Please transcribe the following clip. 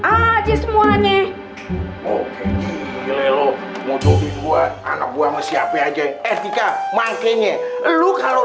aja semuanya oke gile lo mau jodohin gua anak gua mau siapai aja eh tika mangkenye lu kalau